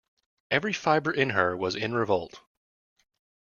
Every fibre in her was in revolt.